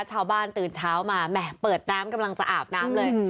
ชาวบ้านตื่นเช้ามาแหมเปิดน้ำกำลังจะอาบน้ำเลย